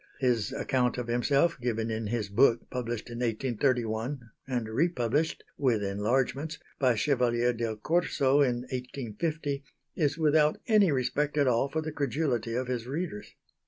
His account of himself, given in his book published in 1831, and republished with enlargements, by Chevalier del Corso in 1850, is without any respect at all for the credulity of his readers.